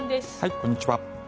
こんにちは。